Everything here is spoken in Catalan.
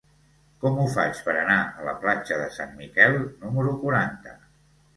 Com ho faig per anar a la platja de Sant Miquel número quaranta?